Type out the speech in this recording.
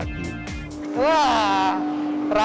wah rapi juga lumayan